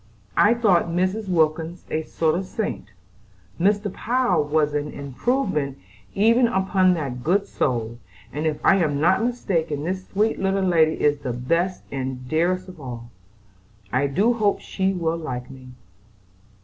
I thought Mrs. Wilkins a sort of saint, Mr. Power was an improvement even upon that good soul, and if I am not mistaken this sweet little lady is the best and dearest of all. I do hope she will like me."